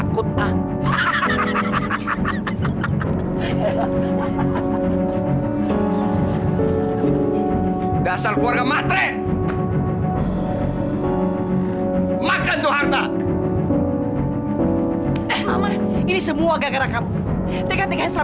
kita masuk ke dalam